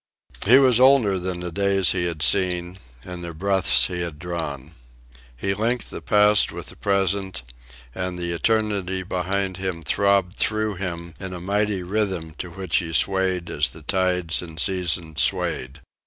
He was older than the days he had seen and the breaths he had drawn. He linked the past with the present, and the eternity behind him throbbed through him in a mighty rhythm to which he swayed as the tides and seasons swayed.